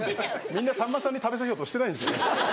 みんなさんまさんに食べさせようとしてないんです。